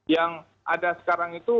yang ada sekarang itu